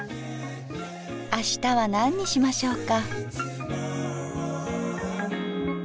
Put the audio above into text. あしたは何にしましょうか。